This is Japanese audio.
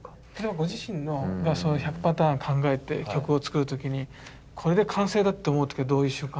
ご自身の１００パターン考えて曲を作る時にこれで完成だって思う時はどういう瞬間？